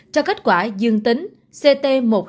cho kết quả dương tính ct một mươi sáu năm mươi hai